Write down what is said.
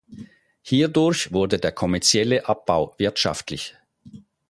Hierdurch wurde der kommerzielle Abbau wirtschaftlich.